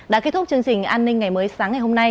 đã kết thúc chương trình an ninh ngày mới sáng ngày hôm nay